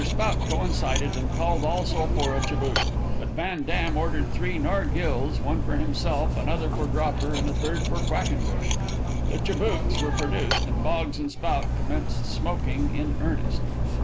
Spout coincided, and called also for a chibouk. But Van Dam ordered three nargillês, one for himself, another for Dropper, and a third for Quackenbush. The chibouks were produced, and Boggs and Spout commenced smoking in earnest.